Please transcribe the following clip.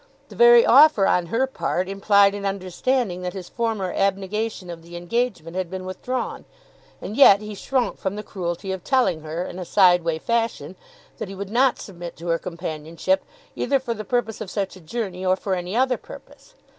The very offer on her part implied an understanding that his former abnegation of his engagement had been withdrawn, and yet he shrunk from the cruelty of telling her, in a side way fashion, that he would not submit to her companionship either for the purpose of such a journey or for any other purpose.